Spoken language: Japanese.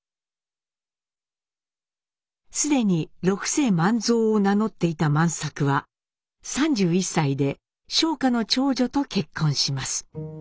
既に六世万蔵を名乗っていた万作は３１歳で商家の長女と結婚します。